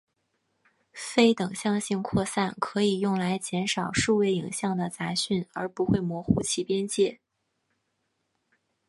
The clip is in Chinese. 非等向性扩散可以用来减少数位影像的杂讯而不会模糊其边界。